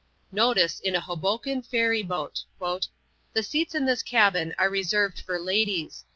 Notice in a Hoboken ferry boat: "The seats in this cabin are reserved for ladies.